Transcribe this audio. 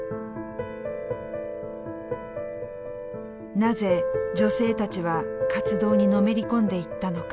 なぜ女性たちは活動にのめり込んでいったのか。